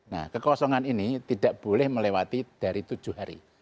nah kekosongan ini tidak boleh melewati dari tujuh hari